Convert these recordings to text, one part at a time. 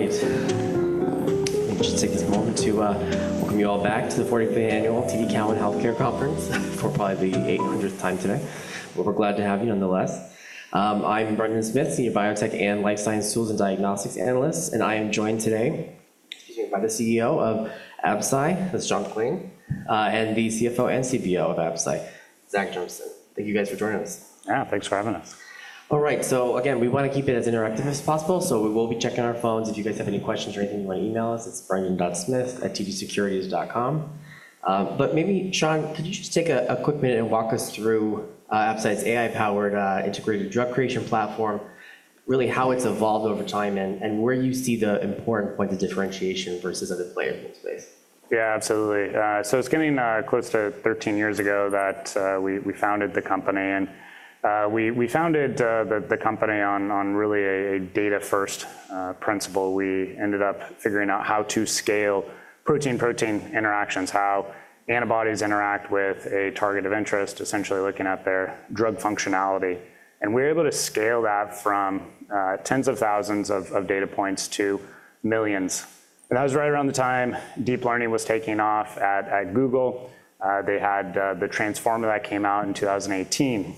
All right. I'm just taking this moment to welcome you all back to the 40th Annual TD Cowen Healthcare Conference for probably the 800th time today. We're glad to have you nonetheless. I'm Brendan Smith, Senior Biotech and Life Science Tools and Diagnostics Analyst, and I am joined today by the CEO of Absci, that's Sean McClain, and the CFO and CBO of Absci, Zach Jonasson. Thank you, guys, for joining us. Yeah, thanks for having us. All right. Again, we want to keep it as interactive as possible, so we will be checking our phones. If you guys have any questions or anything, you want to email us, it's brendan.smith@tdsecurity.com. Maybe, Sean, could you just take a quick minute and walk us through Absci's AI-powered Integrated Drug Creation platform, really how it's evolved over time, and where you see the important points of differentiation versus other players in the space? Yeah, absolutely. It's getting close to 13 years ago that we founded the company. We founded the company on really a data-first principle. We ended up figuring out how to scale protein-protein interactions, how antibodies interact with a target of interest, essentially looking at their drug functionality. We were able to scale that from tens of thousands of data points to millions. That was right around the time deep learning was taking off at Google. They had the transformer that came out in 2018.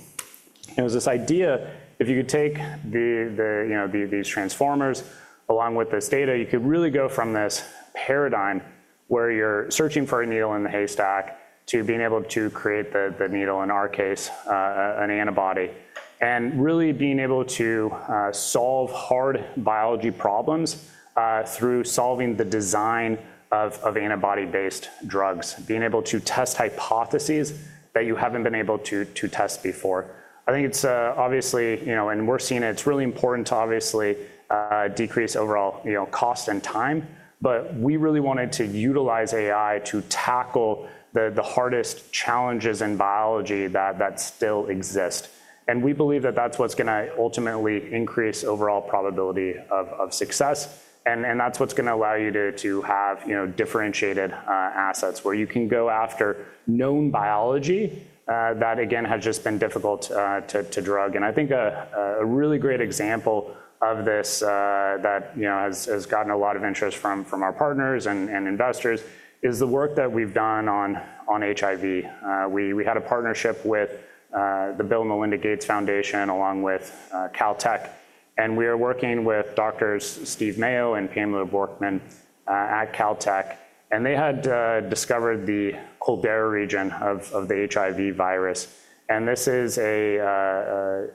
It was this idea if you could take these transformers along with this data, you could really go from this paradigm where you're searching for a needle in the haystack to being able to create the needle, in our case, an antibody, and really being able to solve hard biology problems through solving the design of antibody-based drugs, being able to test hypotheses that you haven't been able to test before. I think it's obviously, and we're seeing it, it's really important to obviously decrease overall cost and time. We really wanted to utilize AI to tackle the hardest challenges in biology that still exist. We believe that that's what's going to ultimately increase overall probability of success. That's what's going to allow you to have differentiated assets where you can go after known biology that, again, has just been difficult to drug. I think a really great example of this that has gotten a lot of interest from our partners and investors is the work that we've done on HIV. We had a partnership with the Bill & Melinda Gates Foundation along with Caltech. We are working with Doctors Steve Mayo and Pamela Bjorkman at Caltech. They had discovered the caldera region of the HIV virus. This is a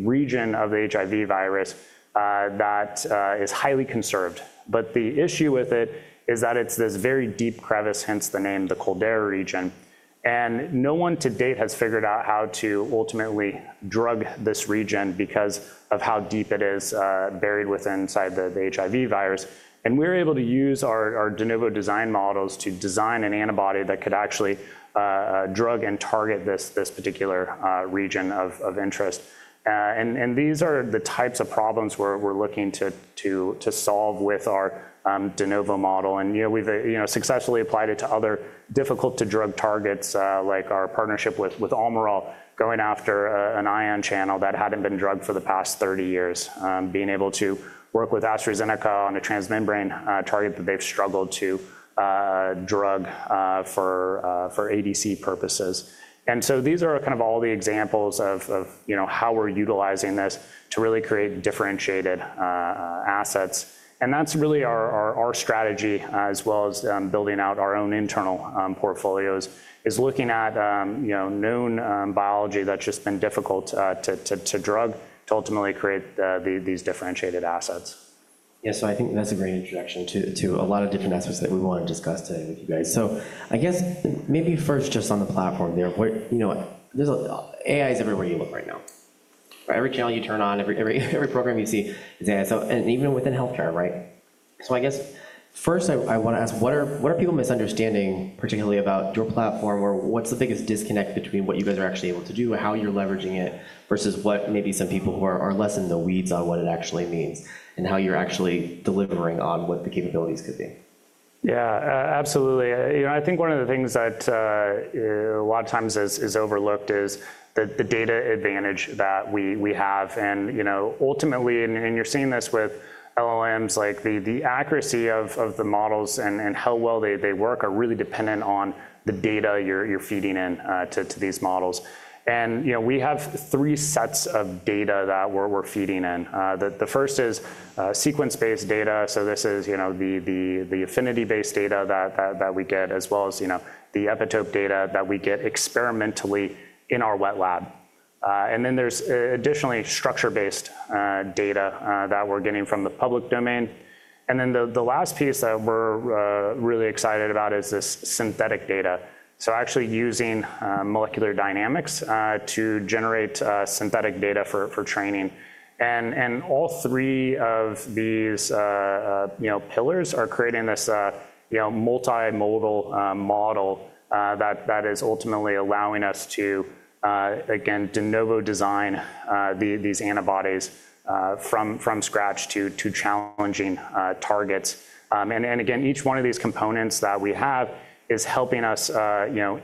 region of the HIV virus that is highly conserved. The issue with it is that it's this very deep crevice, hence the name the caldera region. No one to date has figured out how to ultimately drug this region because of how deep it is buried within inside the HIV virus. We were able to use our de novo design models to design an antibody that could actually drug and target this particular region of interest. These are the types of problems we're looking to solve with our de novo model. We've successfully applied it to other difficult-to-drug targets, like our partnership with Almirall going after an ion channel that hadn't been drugged for the past 30 years, being able to work with AstraZeneca on a transmembrane target that they've struggled to drug for ADC purposes. These are kind of all the examples of how we're utilizing this to really create differentiated assets. That's really our strategy, as well as building out our own internal portfolios, looking at known biology that's just been difficult to drug to ultimately create these differentiated assets. Yeah, I think that's a great introduction to a lot of different aspects that we want to discuss today with you guys. I guess maybe first, just on the platform there, AI is everywhere you look right now. Every channel you turn on, every program you see is AI. Even within healthcare, right? I guess first, I want to ask, what are people misunderstanding, particularly about your platform, or what's the biggest disconnect between what you guys are actually able to do, how you're leveraging it, versus what maybe some people who are less in the weeds on what it actually means, and how you're actually delivering on what the capabilities could be? Yeah, absolutely. I think one of the things that a lot of times is overlooked is the data advantage that we have. Ultimately, and you're seeing this with LLMs, like the accuracy of the models and how well they work are really dependent on the data you're feeding into these models. We have three sets of data that we're feeding in. The first is sequence-based data. This is the affinity-based data that we get, as well as the epitope data that we get experimentally in our wet lab. There is additionally structure-based data that we're getting from the public domain. The last piece that we're really excited about is this synthetic data. Actually using molecular dynamics to generate synthetic data for training. All three of these pillars are creating this multimodal model that is ultimately allowing us to, again, de novo design these antibodies from scratch to challenging targets. Again, each one of these components that we have is helping us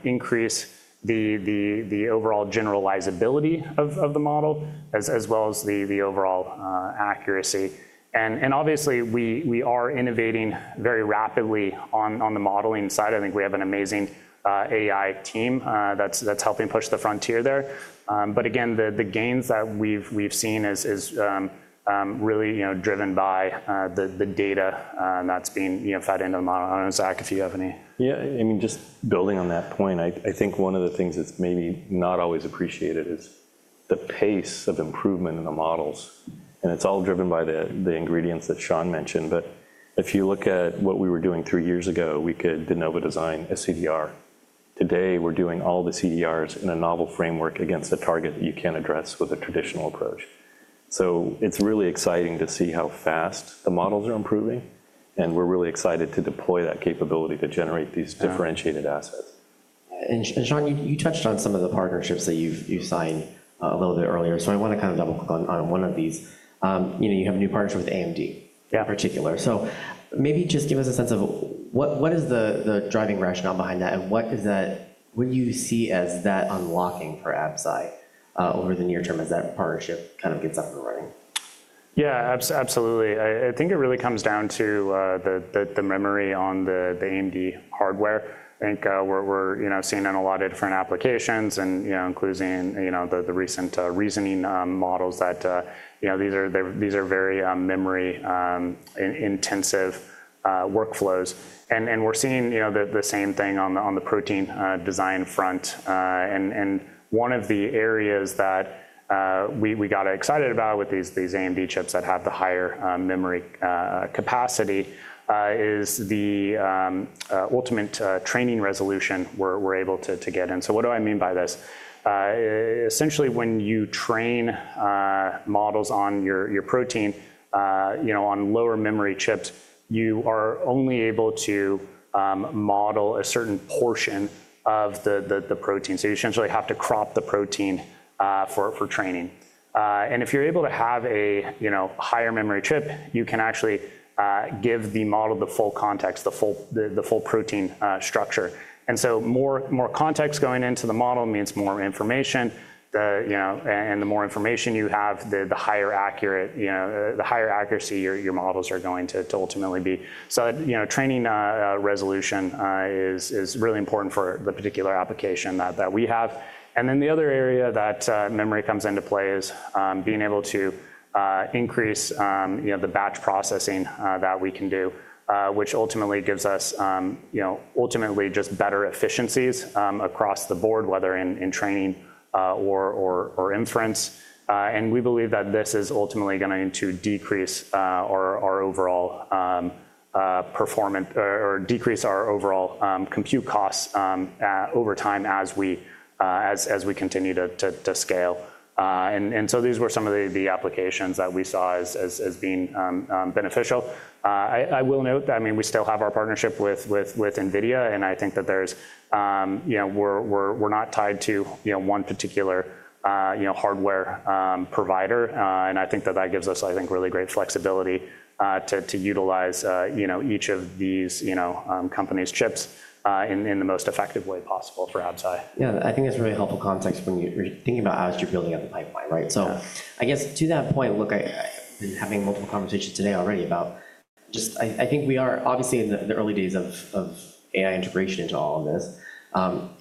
increase the overall generalizability of the model, as well as the overall accuracy. Obviously, we are innovating very rapidly on the modeling side. I think we have an amazing AI team that's helping push the frontier there. Again, the gains that we've seen is really driven by the data that's being fed into the model. I don't know, Zach, if you have any. Yeah, I mean, just building on that point, I think one of the things that's maybe not always appreciated is the pace of improvement in the models. It's all driven by the ingredients that Sean mentioned. If you look at what we were doing three years ago, we could de novo design a CDR. Today, we're doing all the CDRs in a novel framework against a target that you can't address with a traditional approach. It's really exciting to see how fast the models are improving. We're really excited to deploy that capability to generate these differentiated assets. Sean, you touched on some of the partnerships that you signed a little bit earlier. I want to kind of double-click on one of these. You have a new partnership with AMD in particular. Maybe just give us a sense of what is the driving rationale behind that, and what do you see as that unlocking for Absci over the near term as that partnership kind of gets up and running? Yeah, absolutely. I think it really comes down to the memory on the AMD hardware. I think we're seeing that in a lot of different applications, including the recent reasoning models that these are very memory-intensive workflows. We're seeing the same thing on the protein design front. One of the areas that we got excited about with these AMD chips that have the higher memory capacity is the ultimate training resolution we're able to get in. What do I mean by this? Essentially, when you train models on your protein on lower memory chips, you are only able to model a certain portion of the protein. You essentially have to crop the protein for training. If you're able to have a higher memory chip, you can actually give the model the full context, the full protein structure. More context going into the model means more information. The more information you have, the higher accuracy your models are going to ultimately be. Training resolution is really important for the particular application that we have. The other area that memory comes into play is being able to increase the batch processing that we can do, which ultimately gives us just better efficiencies across the board, whether in training or inference. We believe that this is ultimately going to decrease our overall compute costs over time as we continue to scale. These were some of the applications that we saw as being beneficial. I will note that, I mean, we still have our partnership with NVIDIA. I think that we're not tied to one particular hardware provider. I think that gives us, I think, really great flexibility to utilize each of these companies' chips in the most effective way possible for Absci. Yeah, I think it's a really helpful context when you're thinking about how you're building up the pipeline, right? To that point, look, I've been having multiple conversations today already about just I think we are obviously in the early days of AI integration into all of this,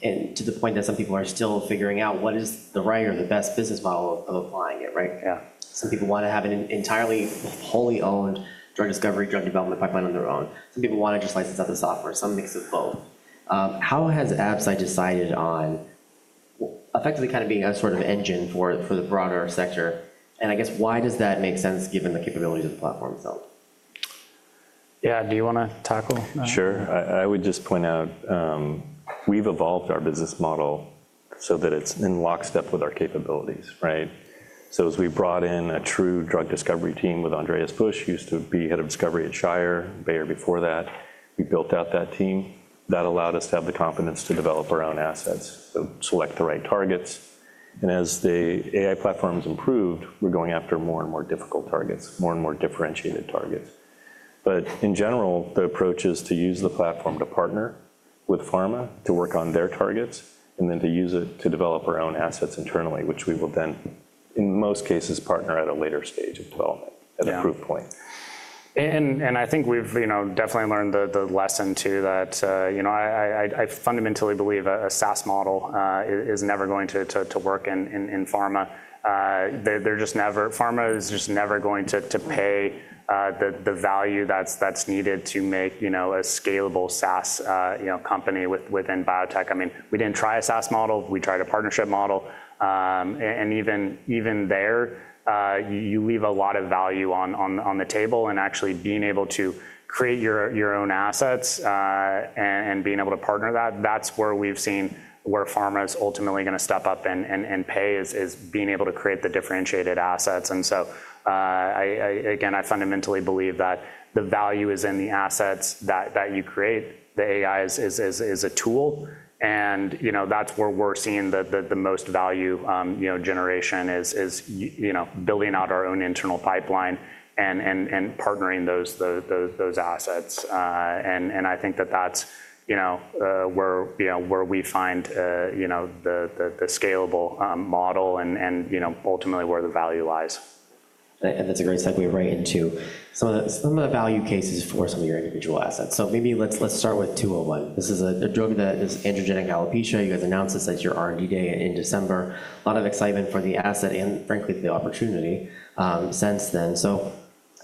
and to the point that some people are still figuring out what is the right or the best business model of applying it, right? Yeah. Some people want to have an entirely wholly owned drug discovery, drug development pipeline on their own. Some people want to just license out the software. Some mix of both. How has Absci decided on effectively kind of being a sort of engine for the broader sector? I guess, why does that make sense given the capabilities of the platform itself? Yeah, do you want to tackle? Sure. I would just point out we've evolved our business model so that it's in lockstep with our capabilities, right? As we brought in a true drug discovery team with Andreas Busch, who used to be Head of Discovery at Bayer before that, we built out that team. That allowed us to have the confidence to develop our own assets, select the right targets. As the AI platform has improved, we're going after more and more difficult targets, more and more differentiated targets. In general, the approach is to use the platform to partner with pharma to work on their targets, and then to use it to develop our own assets internally, which we will then, in most cases, partner at a later stage of development at a proof point. I think we've definitely learned the lesson, too, that I fundamentally believe a SaaS model is never going to work in pharma. Pharma is just never going to pay the value that's needed to make a scalable SaaS company within biotech. I mean, we didn't try a SaaS model. We tried a partnership model. Even there, you leave a lot of value on the table. Actually being able to create your own assets and being able to partner that, that's where we've seen where pharma is ultimately going to step up and pay is being able to create the differentiated assets. Again, I fundamentally believe that the value is in the assets that you create. The AI is a tool. That's where we're seeing the most value generation is building out our own internal pipeline and partnering those assets. I think that that's where we find the scalable model and ultimately where the value lies. That is a great segue right into some of the value cases for some of your individual assets. Maybe let's start with 201. This is a drug that is androgenic alopecia. You guys announced this at your R&D day in December. A lot of excitement for the asset and, frankly, the opportunity since then.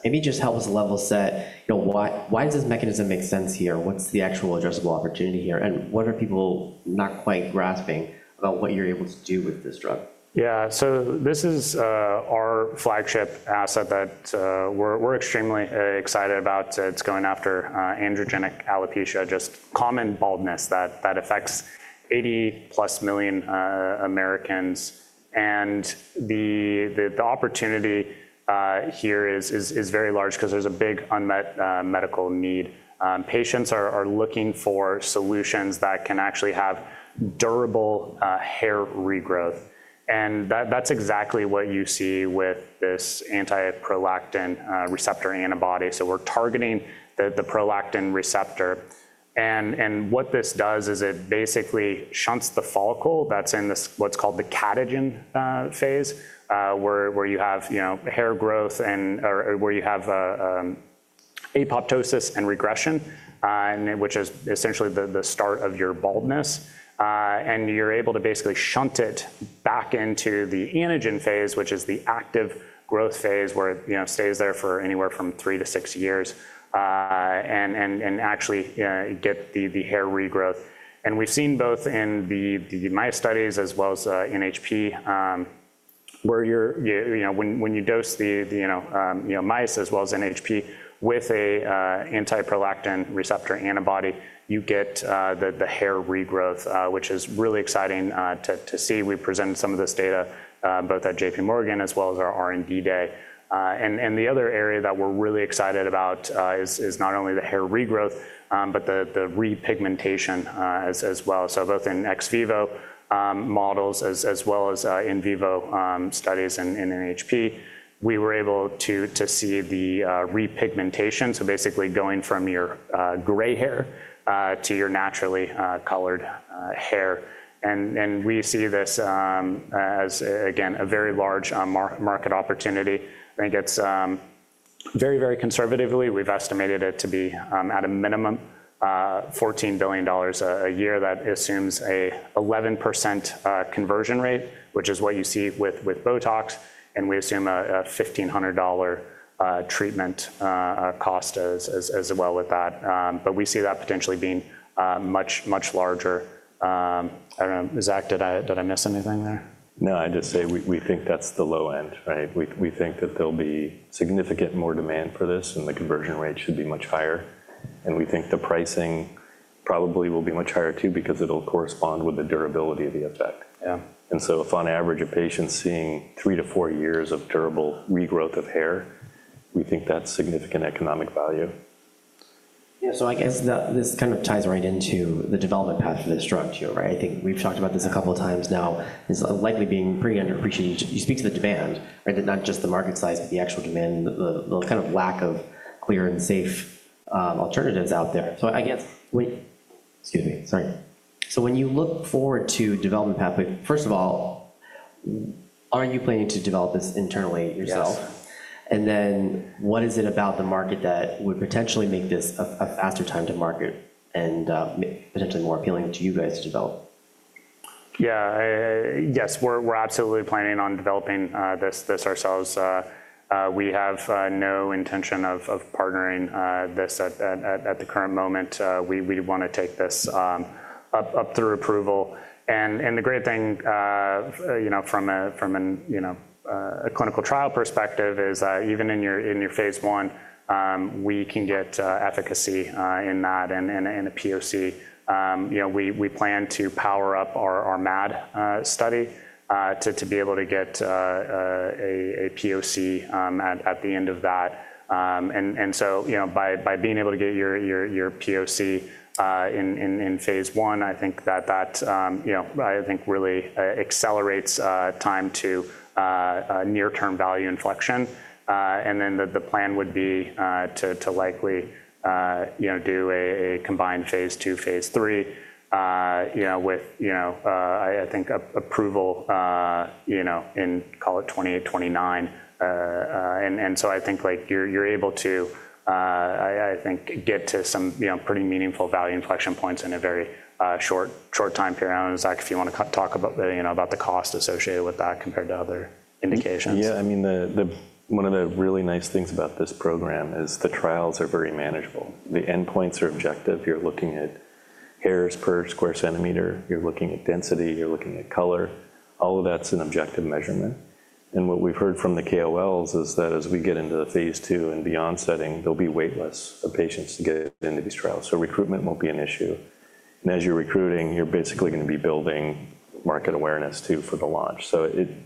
Maybe just help us level set. Why does this mechanism make sense here? What is the actual addressable opportunity here? What are people not quite grasping about what you are able to do with this drug? Yeah, so this is our flagship asset that we're extremely excited about. It's going after androgenic alopecia, just common baldness that affects 80+ million Americans. The opportunity here is very large because there's a big unmet medical need. Patients are looking for solutions that can actually have durable hair regrowth. That's exactly what you see with this anti-prolactin receptor antibody. We're targeting the prolactin receptor. What this does is it basically shunts the follicle that's in what's called the catagen phase, where you have hair growth and where you have apoptosis and regression, which is essentially the start of your baldness. You're able to basically shunt it back into the anagen phase, which is the active growth phase where it stays there for anywhere from three to six years and actually get the hair regrowth. We have seen both in the mice studies as well as NHP, where when you dose the mice as well as NHP with an anti-prolactin receptor antibody, you get the hair regrowth, which is really exciting to see. We presented some of this data both at JPMorgan as well as our R&D day. The other area that we are really excited about is not only the hair regrowth, but the repigmentation as well. Both in ex vivo models as well as in vivo studies in NHP, we were able to see the repigmentation. Basically going from your gray hair to your naturally colored hair. We see this as, again, a very large market opportunity. I think very, very conservatively. We have estimated it to be at a minimum $14 billion a year. That assumes an 11% conversion rate, which is what you see with Botox. We assume a $1,500 treatment cost as well with that. We see that potentially being much, much larger. I don't know, Zach, did I miss anything there? No, I just say we think that's the low end, right? We think that there'll be significant more demand for this, and the conversion rate should be much higher. We think the pricing probably will be much higher, too, because it'll correspond with the durability of the effect. If on average a patient's seeing three to four years of durable regrowth of hair, we think that's significant economic value. Yeah, I guess that this kind of ties right into the development path for this drug too, right? I think we've talked about this a couple of times now. It's likely being pretty underappreciated. You speak to the demand, right? Not just the market size, but the actual demand, the kind of lack of clear and safe alternatives out there. I guess, excuse me, sorry. When you look forward to development pathway, first of all, are you planning to develop this internally yourself? Yes. What is it about the market that would potentially make this a faster time to market and potentially more appealing to you guys to develop? Yeah, yes, we're absolutely planning on developing this ourselves. We have no intention of partnering this at the current moment. We want to take this up through approval. The great thing from a clinical trial perspective is even in your phase I, we can get efficacy in that and a POC. We plan to power up our MAD study to be able to get a POC at the end of that. By being able to get your POC in phase I, I think that really accelerates time to near-term value inflection. The plan would be to likely do a combined phase II, phase III with, I think, approval in, call it 2029. I think you're able to get to some pretty meaningful value inflection points in a very short time period. I don't know, Zach, if you want to talk about the cost associated with that compared to other indications. Yeah, I mean, one of the really nice things about this program is the trials are very manageable. The endpoints are objective. You're looking at hairs per square centimeter. You're looking at density. You're looking at color. All of that's an objective measurement. What we've heard from the KOLs is that as we get into the phase II and beyond setting, there'll be waitlists of patients to get into these trials. Recruitment won't be an issue. As you're recruiting, you're basically going to be building market awareness, too, for the launch.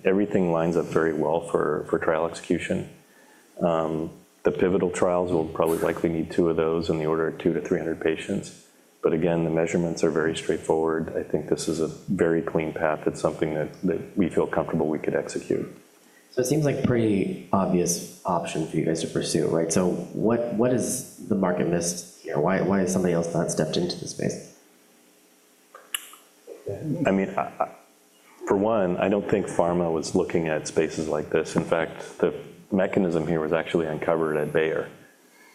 Everything lines up very well for trial execution. The pivotal trials will probably likely need two of those in the order of 200-300 patients. Again, the measurements are very straightforward. I think this is a very clean path. It's something that we feel comfortable we could execute. It seems like a pretty obvious option for you guys to pursue, right? What has the market missed here? Why has somebody else not stepped into the space? I mean, for one, I don't think pharma was looking at spaces like this. In fact, the mechanism here was actually uncovered at Bayer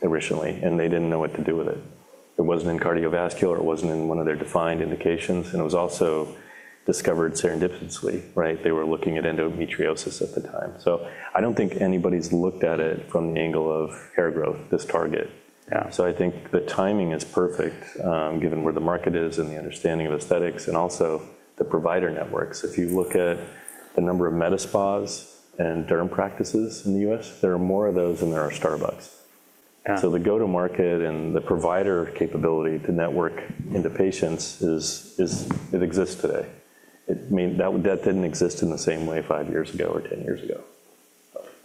originally, and they didn't know what to do with it. It wasn't in cardiovascular. It wasn't in one of their defined indications. It was also discovered serendipitously, right? They were looking at endometriosis at the time. I don't think anybody's looked at it from the angle of hair growth, this target. I think the timing is perfect, given where the market is and the understanding of aesthetics and also the provider networks. If you look at the number of medispas and derm practices in the U.S., there are more of those than there are Starbucks. The go-to-market and the provider capability to network into patients exists today. That didn't exist in the same way five years ago or 10 years ago.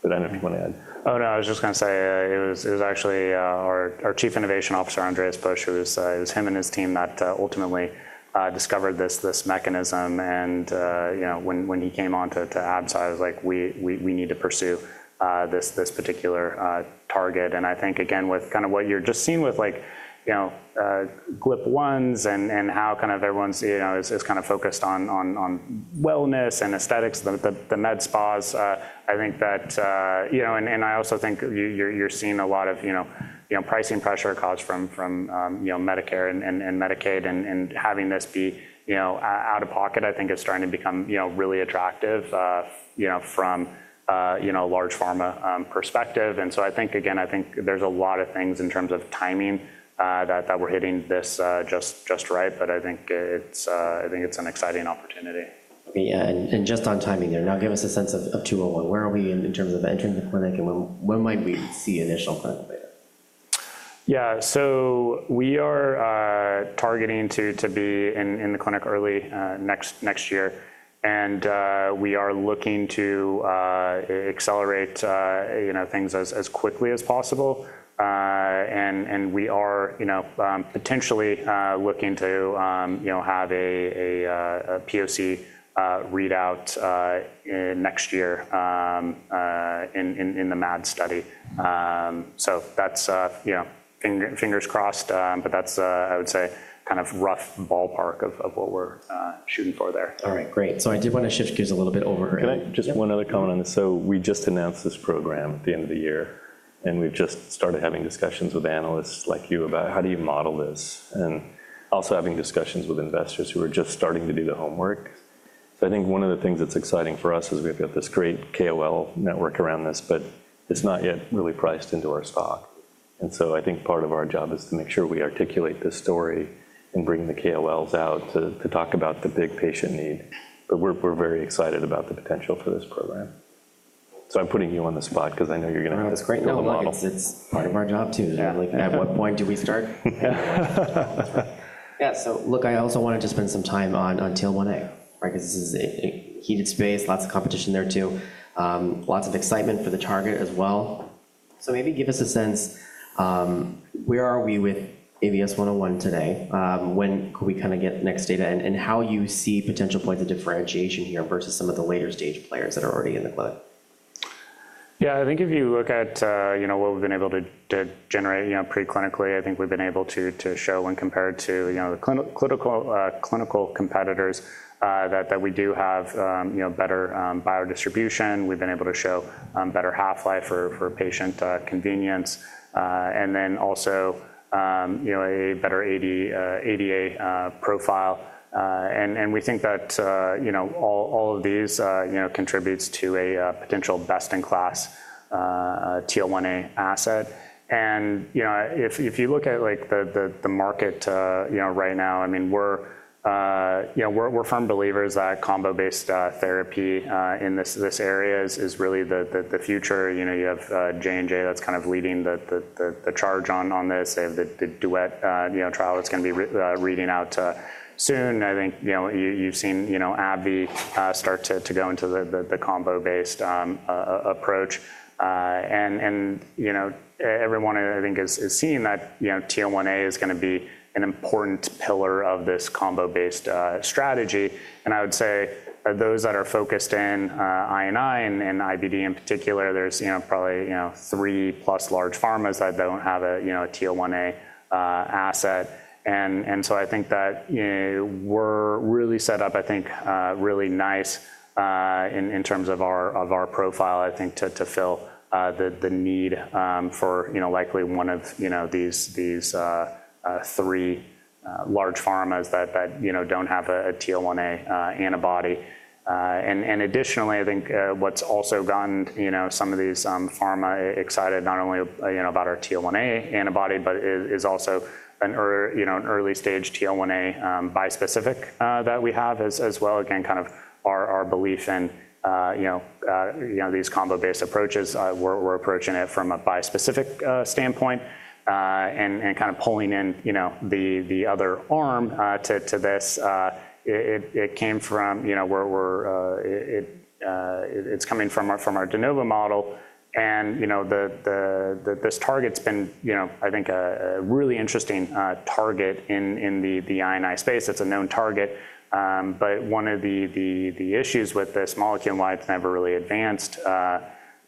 I don't know if you want to add. Oh, no, I was just going to say it was actually our Chief Innovation Officer, Andreas Busch, it was him and his team that ultimately discovered this mechanism. When he came on to Absci, he was like, we need to pursue this particular target. I think, again, with kind of what you're just seeing with GLP-1s and how kind of everyone is kind of focused on wellness and aesthetics, the medispas, I think that and I also think you're seeing a lot of pricing pressure caused from Medicare and Medicaid. Having this be out of pocket, I think, is starting to become really attractive from a large pharma perspective. I think, again, I think there's a lot of things in terms of timing that we're hitting this just right. I think it's an exciting opportunity. Yeah, and just on timing there, now give us a sense of 201. Where are we in terms of entering the clinic? When might we see initial clinical data? Yeah, we are targeting to be in the clinic early next year. We are looking to accelerate things as quickly as possible. We are potentially looking to have a POC readout next year in the MAD study. Fingers crossed. That is, I would say, kind of rough ballpark of what we're shooting for there. All right, great. I did want to shift gears a little bit over here. Can I just one other comment on this? We just announced this program at the end of the year. We just started having discussions with analysts like you about how do you model this and also having discussions with investors who are just starting to do the homework. I think one of the things that's exciting for us is we've got this great KOL network around this, but it's not yet really priced into our stock. I think part of our job is to make sure we articulate this story and bring the KOLs out to talk about the big patient need. We're very excited about the potential for this program. I'm putting you on the spot because I know you're going to. No, that's great. It's part of our job, too. At what point do we start? Yeah, look, I also wanted to spend some time on TL1A, right? Because this is a heated space, lots of competition there, too. Lots of excitement for the target as well. Maybe give us a sense, where are we with ABS-101 today? When could we kind of get next data and how you see potential points of differentiation here versus some of the later stage players that are already in the clinic? Yeah, I think if you look at what we've been able to generate preclinically, I think we've been able to show when compared to the clinical competitors that we do have better biodistribution. We've been able to show better half-life for patient convenience and then also a better ADA profile. We think that all of these contribute to a potential best-in-class TL1A asset. If you look at the market right now, I mean, we're firm believers that combo-based therapy in this area is really the future. You have J&J that's kind of leading the charge on this. They have the DUET trial that's going to be reading out soon. I think you've seen AbbVie start to go into the combo-based approach. Everyone, I think, is seeing that TL1A is going to be an important pillar of this combo-based strategy. I would say those that are focused in INI and IBD in particular, there's probably three-plus large pharmas that don't have a TL1A asset. I think that we're really set up, I think, really nice in terms of our profile, I think, to fill the need for likely one of these three large pharmas that don't have a TL1A antibody. Additionally, I think what's also gotten some of these pharma excited not only about our TL1A antibody, but is also an early stage TL1A bispecific that we have as well. Again, kind of our belief in these combo-based approaches, we're approaching it from a bispecific standpoint and kind of pulling in the other arm to this. It came from where it's coming from our de novo model. This target's been, I think, a really interesting target in the INI space. It's a known target. One of the issues with this molecule and why it's never really advanced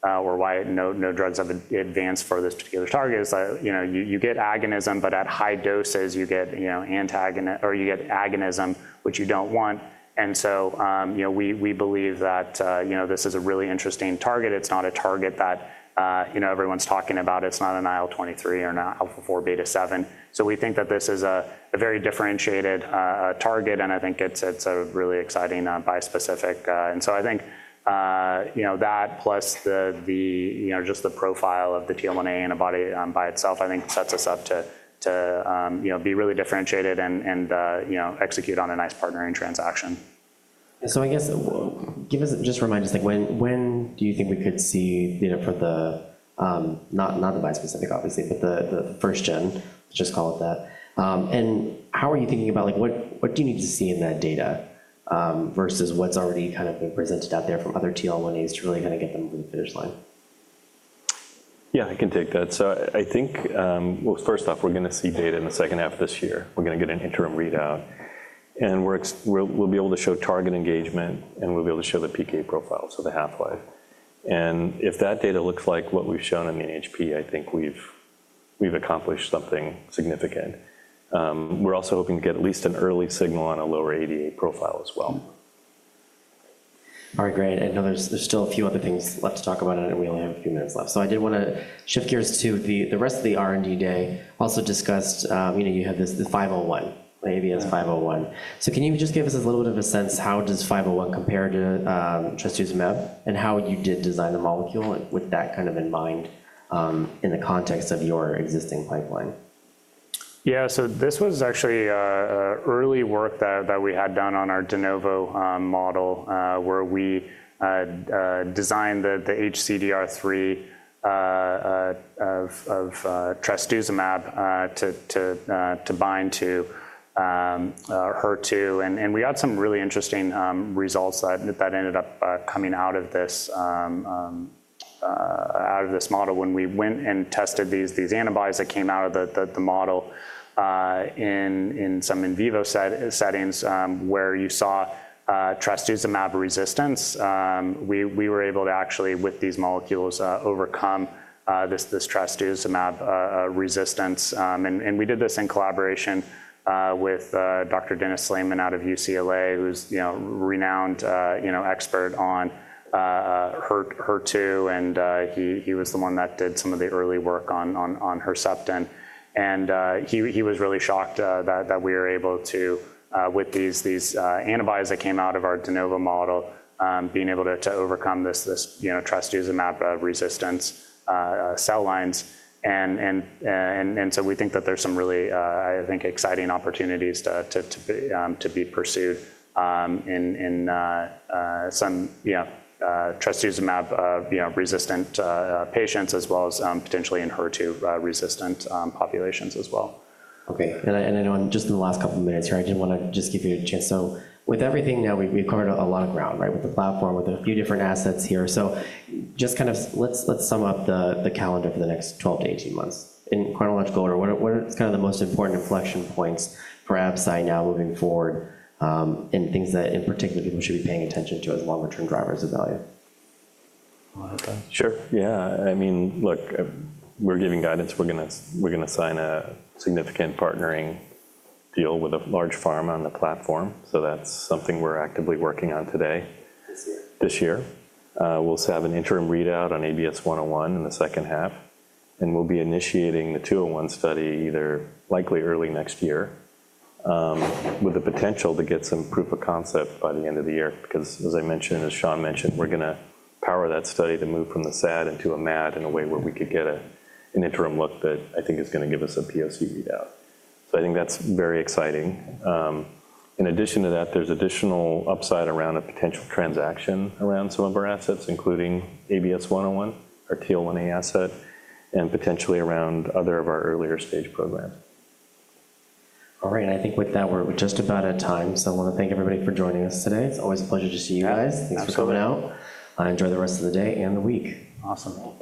or why no drugs have advanced for this particular target is that you get agonism, but at high doses, you get antagonist or you get agonism, which you don't want. We believe that this is a really interesting target. It's not a target that everyone's talking about. It's not an IL-23 or an alpha 4 beta 7. We think that this is a very differentiated target. I think it's a really exciting bispecific. I think that plus just the profile of the TL1A antibody by itself, I think sets us up to be really differentiated and execute on a nice partnering transaction. I guess just remind us, when do you think we could see for the not the bispecific, obviously, but the 1st-gen, let's just call it that? How are you thinking about what do you need to see in that data versus what's already kind of been presented out there from other TL1As to really kind of get them to the finish line? Yeah, I can take that. I think, first off, we're going to see data in the second half of this year. We're going to get an interim readout. We'll be able to show target engagement, and we'll be able to show the PK profile, so the half-life. If that data looks like what we've shown in the NHP, I think we've accomplished something significant. We're also hoping to get at least an early signal on a lower ADA profile as well. All right, great. I know there's still a few other things left to talk about, and we only have a few minutes left. I did want to shift gears to the rest of the R&D day. Also discussed, you had this 501, ABS-501. Can you just give us a little bit of a sense how does 501 compare to trastuzumab and how you did design the molecule with that kind of in mind in the context of your existing pipeline? Yeah, so this was actually early work that we had done on our de novo model where we designed the HCDR3 of trastuzumab to bind to HER2. We got some really interesting results that ended up coming out of this model when we went and tested these antibodies that came out of the model in some in vivo settings where you saw trastuzumab resistance. We were able to actually, with these molecules, overcome this trastuzumab resistance. We did this in collaboration with Dr. Dennis Slamon out of UCLA, who's a renowned expert on HER2. He was the one that did some of the early work on Herceptin. He was really shocked that we were able to, with these antibodies that came out of our de novo model, be able to overcome this trastuzumab resistance cell lines. We think that there's some really, I think, exciting opportunities to be pursued in some trastuzumab resistant patients as well as potentially in HER2 resistant populations as well. Okay, and I know just in the last couple of minutes here, I did want to just give you a chance. With everything now, we've covered a lot of ground, right, with the platform, with a few different assets here. Just kind of let's sum up the calendar for the next 12 to 18 months. In chronological order, what are kind of the most important inflection points for Absci now moving forward and things that, in particular, people should be paying attention to as longer-term drivers of value? Sure. Yeah, I mean, look, we're giving guidance. We're going to sign a significant partnering deal with a large pharma on the platform. That's something we're actively working on today. This year, we'll have an interim readout on ABS-101 in the second half. We'll be initiating the 201 study either likely early next year with the potential to get some proof of concept by the end of the year. Because, as I mentioned, as Sean mentioned, we're going to power that study to move from the SAD into a MAD in a way where we could get an interim look that I think is going to give us a POC readout. I think that's very exciting. In addition to that, there's additional upside around a potential transaction around some of our assets, including ABS-101, our TL1A asset, and potentially around other of our earlier stage programs. All right, I think with that, we're just about at time. I want to thank everybody for joining us today. It's always a pleasure to see you guys. Thanks for coming out. Enjoy the rest of the day and the week. Awesome.